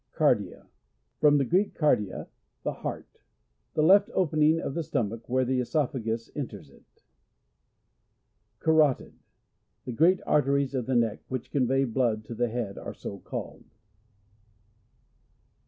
Cardia. — From the Greek, kardia, the heart. The left opening of the stomach, where the oesophagus en ters it. Carotid. — The great arteries of the neck, which convey blood to the head, arc so called.